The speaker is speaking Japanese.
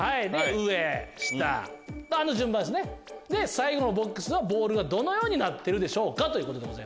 最後のボックスのボールはどのようになってるでしょうか？